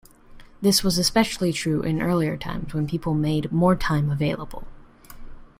This was especially true in earlier times, when people made more time available.